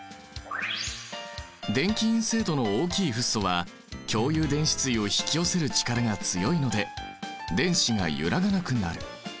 電気陰性度の大きいフッ素は共有電子対を引き寄せる力が強いので電子が揺らがなくなる。